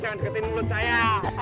jangan deketin mulut saya